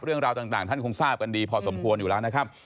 เรื่องราวต่างท่านคงทราบกันดีพอสมควรอยู่แล้วนะครับ